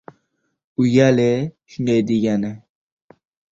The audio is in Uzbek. Uyal-ye, shunday degani!